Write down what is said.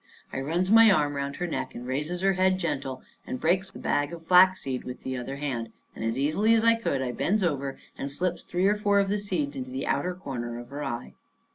I runs my arm around her neck and raises her head, gentle, and breaks the bag of flaxseed with the other hand; and as easy as I could I bends over and slips three or four of the seeds in the outer corner of her eye.